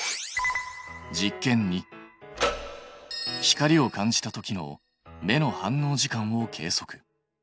光を感じたときの目の反応時間を計測。